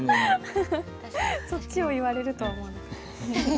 そっちを言われるとは思わなかった。